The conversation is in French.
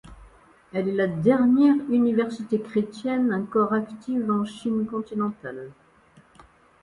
Elle est la dernière université chrétienne encore active en Chine continentale.